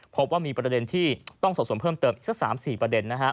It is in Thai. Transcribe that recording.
พบว่ามีประเด็นที่ต้องสอบส่วนเพิ่มเติมอีกสัก๓๔ประเด็น